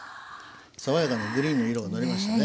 爽やかなグリーンの色がのりましたね。